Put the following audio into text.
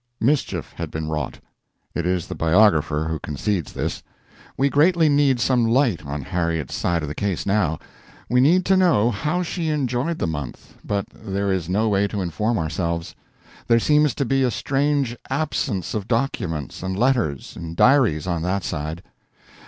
Mischief had been wrought. It is the biographer who concedes this. We greatly need some light on Harriet's side of the case now; we need to know how she enjoyed the month, but there is no way to inform ourselves; there seems to be a strange absence of documents and letters and diaries on that side.